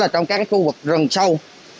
trong các khu vực rừng sâu